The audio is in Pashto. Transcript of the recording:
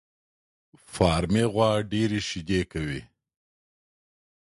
فارمي غوا ډېري شيدې کوي